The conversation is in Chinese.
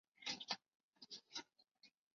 这里的棉纺织工业曾一度蓬勃发展。